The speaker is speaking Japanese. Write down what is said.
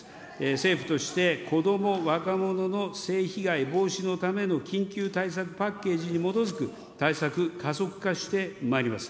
政府として子ども、若者の性被害防止のための緊急対策パッケージに基づく対策加速化してまいります。